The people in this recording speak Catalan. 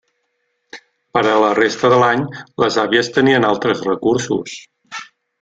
Per a la resta de l'any, les àvies tenien altres recursos.